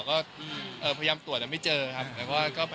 ก็พยายามตรวจแต่ไม่เจอครับ